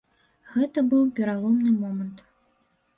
Гэта быў пераломны момант.